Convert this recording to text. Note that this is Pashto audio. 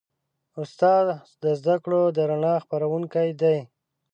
استاد د زدهکړو د رڼا خپروونکی دی.